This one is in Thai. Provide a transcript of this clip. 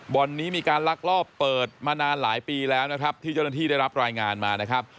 บ่อนนี้มีการลักลอบเปิดมานานหลายปีแล้วนะครับที่เจ้าหน้าที่ได้รับรายงานมานะครับ